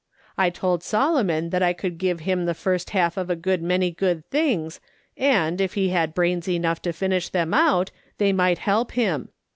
I told Solomon that I could give him the first half of a good many good things, and, if he had brains enough to finish them out, they might help him.